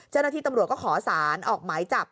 เจ้าหน้าที่ตำรวจก็ขอสารออกหมายจับ